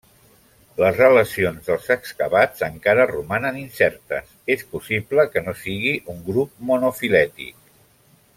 Les relacions dels excavats encara romanen incertes; és possible que no siguin un grup monofilètic.